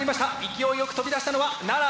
勢いよく飛び出したのは奈良Ａです。